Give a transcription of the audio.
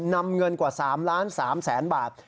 นำเงินกว่า๓๓๐๐๐๐บาท